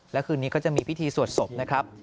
และคืนนี้ก็จะมีพิธีสวดศพนะครับ